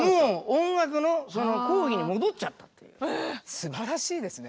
すばらしいですね。